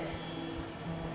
jadi aku bisa cari tau